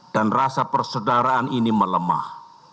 dan rasa persaudaraan ini melemah